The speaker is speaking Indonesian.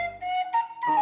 namanya kurang ido aja